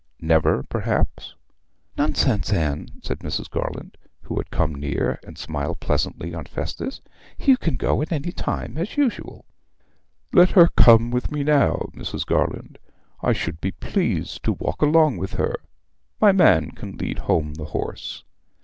'Never, perhaps.' 'Nonsense, Anne,' said Mrs. Garland, who had come near, and smiled pleasantly on Festus. 'You can go at any time, as usual.' 'Let her come with me now, Mrs. Garland; I should be pleased to walk along with her. My man can lead home the horse.'